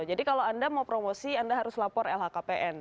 jadi kalau anda mau promosi anda harus lapor lhkpn